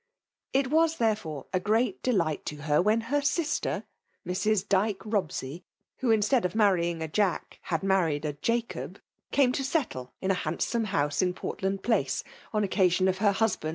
It was, therefore, a great defight to her when her sister, Mrs. Dyke Bobsej, who, instead of marrying a Jadi;, had married a Jacob, came to settle in a handsome house in Portland Place, on occasion of her husband.'